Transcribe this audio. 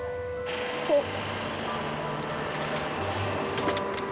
ほっ。